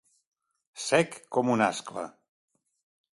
Sec com una ascla.